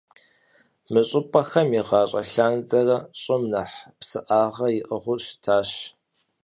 Мы щӏыпӏэхэм, игъащӏэ лъандэрэ, щӏым нэхъ псыӏагъэ иӏыгъыу щытащ.